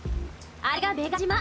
あれがメガ島。